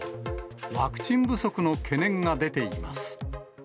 ワクチン不足の懸念が出ています。